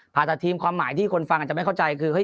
ผ่าตัดทีมความหมายที่คนฟังอาจจะไม่เข้าใจคือเฮ